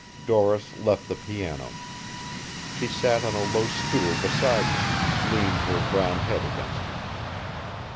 Doris left the piano. She sat on a low stool beside him, leaned her brown head against him.